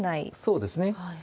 そうですね。